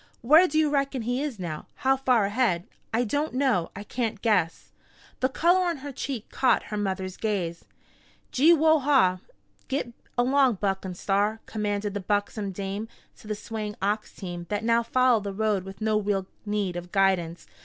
Where do you reckon he is now how far ahead?" "I don't know. I can't guess." The color on her cheek caught her mother's gaze. "Gee whoa haw! Git along Buck and Star!" commanded the buxom dame to the swaying ox team that now followed the road with no real need of guidance.